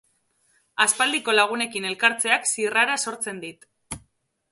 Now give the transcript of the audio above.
Aspaldiko lagunekin elkartzeak zirrara sortzen dit